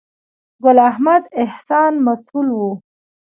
ګل احمد احسان مسؤل و.